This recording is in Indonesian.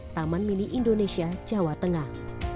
taman mini indonesia jawa tengah